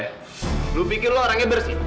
eh lo pikir lo orangnya bersih